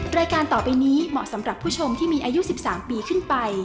รายการต่อไปนี้เหมาะสำหรับผู้ชมที่มีอายุ๑๓ปีขึ้นไป